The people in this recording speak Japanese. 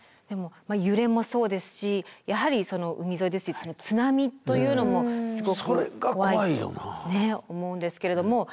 でも揺れもそうですしやはり海沿いですし津波というのもすごく怖いと思うんですけれども。